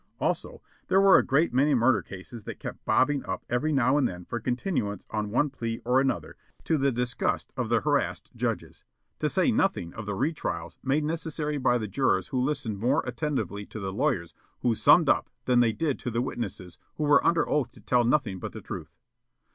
Also, there were a great many murder cases that kept bobbing up every now and then for continuance on one plea or another to the disgust of the harassed judges; to say nothing of the re trials made necessary by the jurors who listened more attentively to the lawyers who "summed up" than they did to the witnesses who were under oath to tell nothing but the truth.